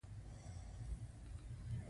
دوهم دا چې سازمان یو ځانګړی تشکیل لري.